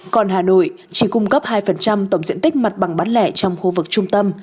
còn hà nội chỉ cung cấp hai tổng diện tích mặt bằng bán lẻ trong khu vực trung tâm